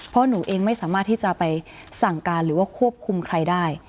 เพราะหนูเองไม่สามารถที่จะไปสั่งการหรือว่าควบคุมใครได้